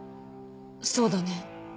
そうだね。